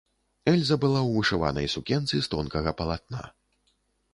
Эльза была ў вышыванай сукенцы з тонкага палатна.